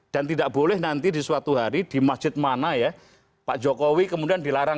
tidak boleh nanti di suatu hari di masjid mana ya pak jokowi kemudian dilarang